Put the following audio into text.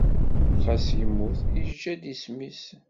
Xas yemmut, yeǧǧa-d isem-is.